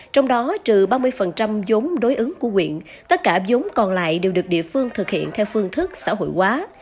trong đó trừ ba mươi giống đối ứng của quyện tất cả giống còn lại đều được địa phương thực hiện theo phương thức xã hội hóa